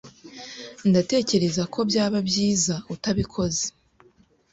Ndatekereza ko byaba byiza utabikoze.